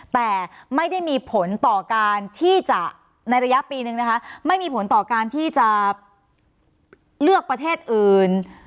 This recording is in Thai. แต่ไม่ได้มีผลต่อการที่จะในระยะปีนึงนะคะไม่มีผลต่อการที่จะเลือกประเทศอื่น